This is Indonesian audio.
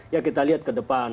ya kita lihat ke depan